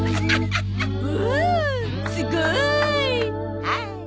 すごーい！